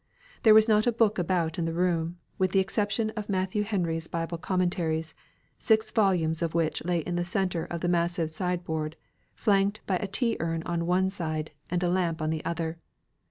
There was not a book about in the room, with the exception of Matthew Henry's Bible commentaries, six volumes of which lay in the centre of the massive side board, flanked by a tea urn on one side, and a lamp on the other.